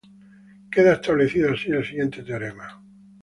Queda establecido así el siguiente teorema.